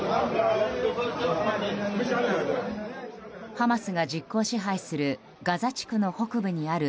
ハマスが実効支配するガザ地区の北部にある